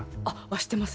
知ってます